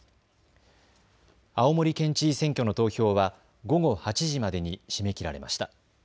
青森県知事選挙の投票は午後８時までに締め切られました。